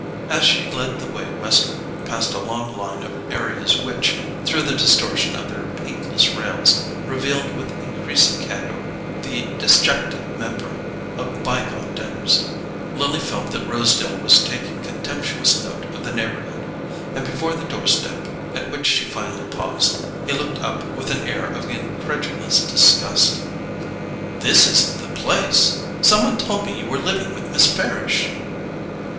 As she led the way westward past a long line of areas which, through the distortion of their paintless rails, revealed with increasing candour the DISJECTA MEMBRA of bygone dinners, Lily felt that Rosedale was taking contemptuous note of the neighbourhood; and before the doorstep at which she finally paused he looked up with an air of incredulous disgust. "This isn't the place? Some one told me you were living with Miss Farish."